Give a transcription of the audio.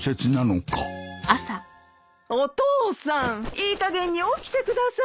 いいかげんに起きてください！